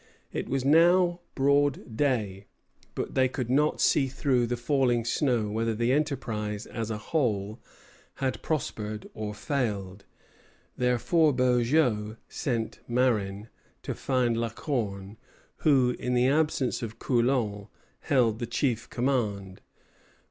It was now broad day, but they could not see through the falling snow whether the enterprise, as a whole, had prospered or failed. Therefore Beaujeu sent Marin to find La Corne, who, in the absence of Coulon, held the chief command.